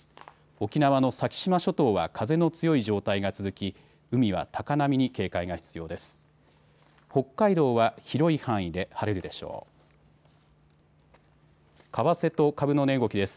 沖縄の先島諸島は風の強い状態が続き海は高波に警戒が必要です。